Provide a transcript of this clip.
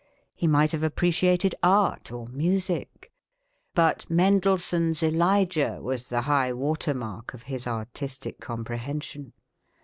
He might have appreciated art or music. But Mendelssohn's " Elijah " was the high water mark of his artistic comprehension.